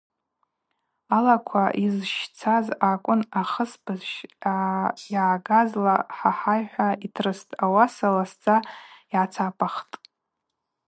Алаква – йызщцаз акӏвын – ахысбыжь ъагӏагазла хӏахӏай – хӏва йтрыстӏ, ауаса ласдза йгӏацапахтӏ.